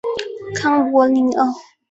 康帕尼昂。